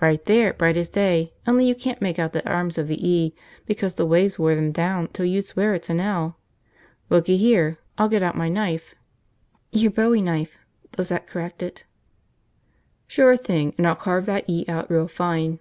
"Right there, bright as day, only you can't make out the arms of the E because the waves wore them down till you'd swear it's an L. Looky here, I'll get out my knife. ..." "Your Bowie knife," Lizette corrected. "Sure thing. And I'll carve that E out real fine."